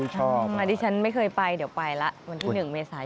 ชอบอันนี้ฉันไม่เคยไปเดี๋ยวไปแล้ววันที่๑เมษายุ่นดี